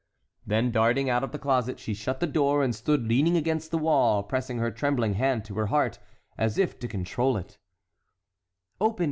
Then darting out of the closet, she shut the door and stood leaning against the wall pressing her trembling hand to her heart, as if to control it.